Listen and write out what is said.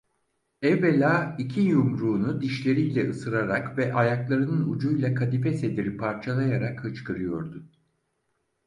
Evvela iki yumruğunu dişleriyle ısırarak ve ayaklarının ucuyla kadife sediri parçalayarak hıçkırıyordu.